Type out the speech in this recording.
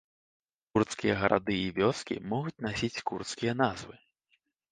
Курдскія гарады і вёскі могуць насіць курдскія назвы.